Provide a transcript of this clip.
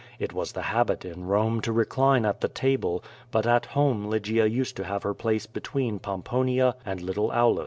It was the habit in Rome to recline at the table, but at home Lygia used to have her place between Pom])onia and little Aulus.